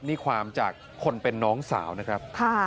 นี่ความจากคนเป็นน้องสาวนะครับ